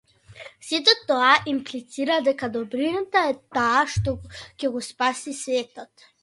Сето тоа имплицира дека добрината е таа што ќе го спаси светот.